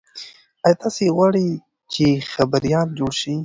ایا تاسي غواړئ چې خبریال جوړ شئ؟